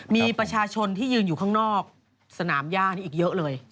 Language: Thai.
มีประชาชนที่ยืนอยู่ข้างนอกสนามย่านี่อีกเยอะเลย